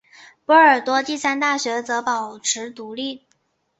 波尔多第三大学则保持独立。